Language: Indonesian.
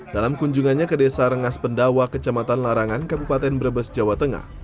dalam kunjungannya ke desa rengas pendawa kecamatan larangan kabupaten brebes jawa tengah